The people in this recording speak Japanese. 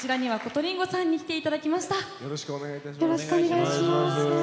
よろしくお願いします。